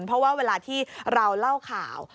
เพราะว่าเวลาที่เราเล่าข่าว